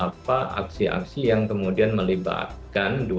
yang kemudian melibatkan dua entusi yang kemudian melibatkan dua entusi